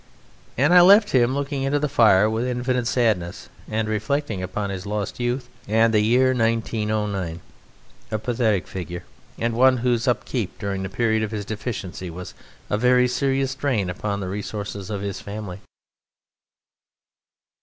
And I left him looking into the fire with infinite sadness and reflecting upon his lost youth and the year 1909: a pathetic figure, and one whose upkeep during the period of his deficiency was a very serious drain upon the resources of his family.